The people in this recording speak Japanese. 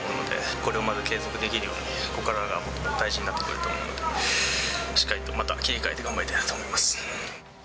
これをまず継続できるように、ここからがもっと大事になってくると思うので、しっかりとまた切り替えて頑張りたいと思います。